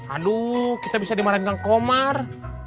aduh kita bisa dimarahinkan komar